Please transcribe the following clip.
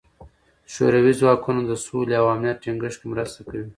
شوروي ځواکونه د سولې او امنیت ټینګښت کې مرسته کوي.